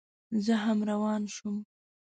زه هم روان شوم.